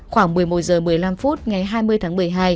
khoảng một mươi một h một mươi năm phút ngày hai mươi tháng một mươi hai